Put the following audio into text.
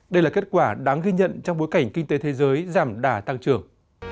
đây là kết quả đáng ghi nhận trong bối cảnh kinh tế thế giới giảm đả tăng trưởng